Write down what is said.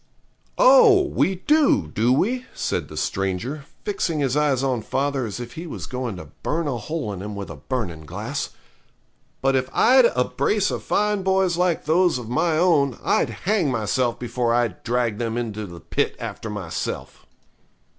'Oh! we do, do we?' said the stranger, fixing his eyes on father as if he was going to burn a hole in him with a burning glass; 'but if I'd a brace of fine boys like those of my own I'd hang myself before I'd drag them into the pit after myself.'